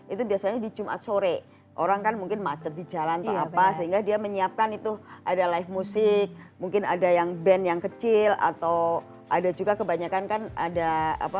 itu biasanya di jumat sore orang kan mungkin macet di jalan atau apa sehingga dia menyiapkan itu ada live music mungkin ada yang band yang kecil atau ada juga kebanyakan kan ada apa